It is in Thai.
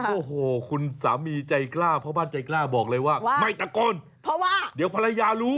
โอ้โหคุณสามีใจกล้าพ่อบ้านใจกล้าบอกเลยว่าไม่ตะโกนเพราะว่าเดี๋ยวภรรยารู้